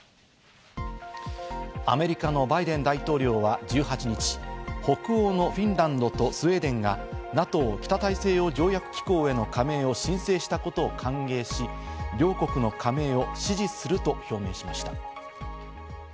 アメリカのバイデン大統領は１８日、北欧のフィンランドとスウェーデンがＮＡＴＯ＝北大西洋条約機構への加盟を申請したことを歓迎し、両国の加盟を支持すると表明しました。